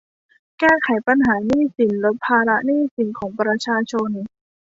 แก้ไขปัญหาหนี้สิน ลดภาระหนี้สินของประชาชน